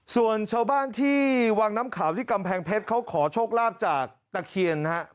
ส่วนชาวบ้านที่วังน้ำขาวที่กำแพงเพชรเขาขอโชคลาภจากตะเคียนนะครับ